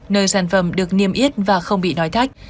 nơi sản phẩm được niêm yết và không bị nói thách